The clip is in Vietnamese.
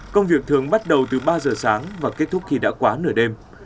công việc thường bắt đầu từ ba giờ sáng và kết thúc khi đã quá nửa đêm